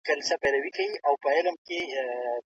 که په خطي نسخه کې لاسوهنه سوې وي نو معلومیږي.